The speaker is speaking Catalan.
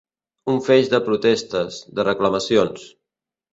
Un feix de protestes, de reclamacions.